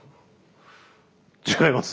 違います？